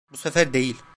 Bu sefer değil.